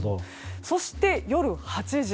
そして、夜８時。